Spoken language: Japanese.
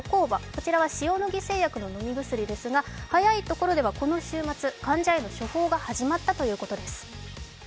こちらは塩野義製薬の飲み薬ですが早いところでは、この週末、患者への処方が始まったということです。